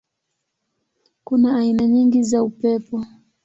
Kuna aina nyingi za upepo.